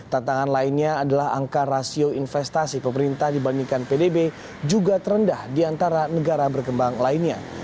tantangan lainnya adalah angka rasio investasi pemerintah dibandingkan pdb juga terendah di antara negara berkembang lainnya